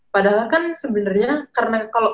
padahal kan sebenernya karena kalo